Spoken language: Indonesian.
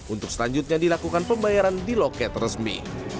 untuk selanjutnya dilakukan pembayaran di loket resmi